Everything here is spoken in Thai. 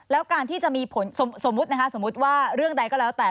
แล้วการที่จะมีผลสมมติว่าเรื่องใดก็แล้วแต่